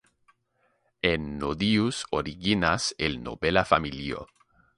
Ennodius originas el nobela familio.